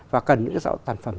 và cần những sản phẩm